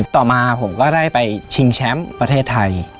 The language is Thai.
ต่อมาผมก็ได้ไปชิงแชมป์ประเทศไทย